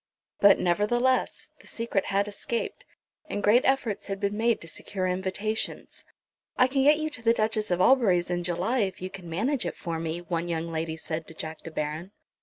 But, nevertheless, the secret had escaped, and great efforts had been made to secure invitations. "I can get you to the Duchess of Albury's in July if you can manage it for me," one young lady said to Jack De Baron.